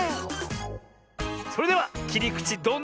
それではきりくちどんなでしょ。